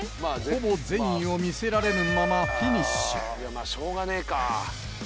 ほぼ善意を見せられぬまままぁしょうがねえか。